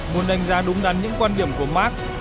muốn đánh giá đúng đắn những quan điểm của mark